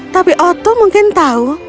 tapi otto mungkin tahu